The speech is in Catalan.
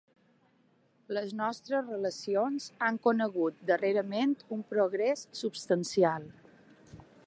Les nostres relacions han conegut darrerament un progrés substancial.